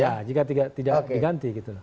ya jika tidak diganti gitu